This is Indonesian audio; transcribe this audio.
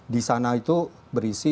di sana itu berisi